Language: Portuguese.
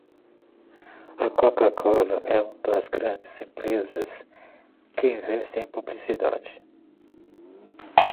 A coca cola é uma das grandes empresas que investem em publicidade